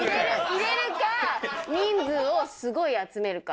入れるか人数をすごい集めるか。